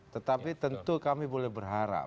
tetapi tentu kami boleh berharap